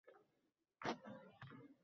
O‘smirlar bilan ahvol murakkabroq.